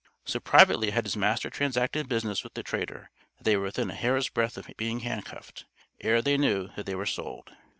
So privately had his master transacted business with the trader, that they were within a hair's breadth of being hand cuffed, ere they knew that they were sold.